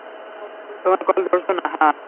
তোমার কল ধরছে না, হাহ?